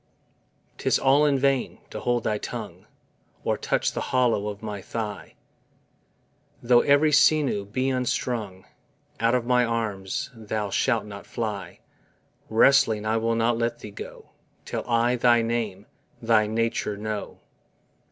'Tis all in vain to hold thy tongue, Or touch the hollow of my thigh: Though every sinew be unstrung, Out of my arms Thou shalt not fly; Wrestling I will not let Thee go, Till I thy name, thy nature know.